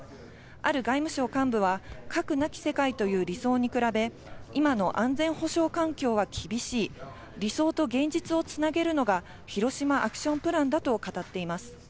ある外務省幹部は核なき世界という理想に比べ、今の安全保障環境は厳しい、理想と現実をつなげるのがヒロシマ・アクション・プランだと語っています。